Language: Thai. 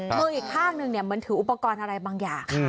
มืออีกข้างหนึ่งเหมือนถืออุปกรณ์อะไรบางอย่าง